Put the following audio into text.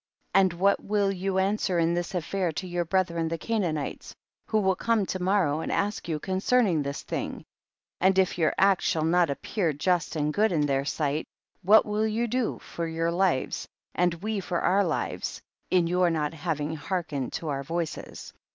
and what will you an swer in this affair to your brethren the Canaanites, who will come to morrow and ask you concerning this thing ? 8. And if your act shall not appear just and good in their sight, what will you do for your lives, and we for our lives, in your not having hear kened to our voices